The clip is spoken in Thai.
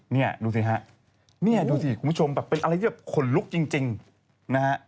นี่ดูสิฮะเนี่ยดูสิคุณผู้ชมแบบเป็นอะไรที่แบบขนลุกจริงนะฮะ